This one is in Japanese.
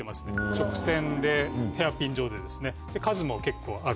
直線でヘアピン状で数も結構ある。